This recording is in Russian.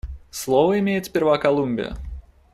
Слово имеет сперва Колумбия.